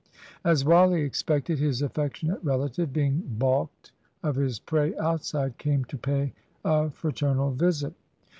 As Wally expected, his affectionate relative, being baulked of his prey outside, came to pay a fraternal visit.